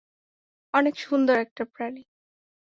অনেক সুন্দর একটা প্রাণী।